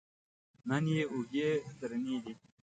نن یې اوږې درنې دي.